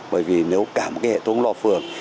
bởi vì nếu cả một cái hệ thống loa phường